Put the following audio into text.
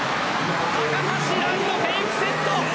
高橋藍のフェイクセット。